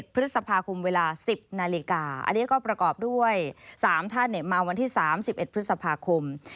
พฤษภาคมเวลา๑๐นาฬิกาอันนี้ก็ประกอบด้วย๓ท่านมาวันที่๓๑พฤษภาคม